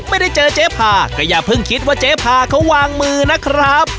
ไม่ได้เจอเจ๊พาก็อย่าเพิ่งคิดว่าเจ๊พาเขาวางมือนะครับ